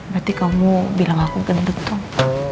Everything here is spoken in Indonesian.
berarti kamu bilang aku gendut dong